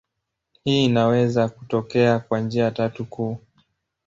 Hii inaweza kutokea kwa njia tatu kuu.